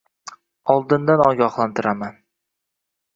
Oldindan ogohlantiraman